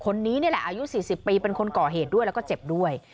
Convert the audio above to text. คนนี้นี่แหละอายุ๔๐ปีเป็นคนก่อเหตุด้วยแล้วก็เจ็บด้วย